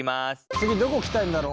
次どこ鍛えるんだろう。